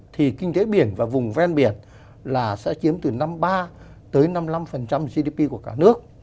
thì kinh tế biển và vùng ven biển là sẽ chiếm từ năm mươi ba tới năm mươi năm gdp của cả nước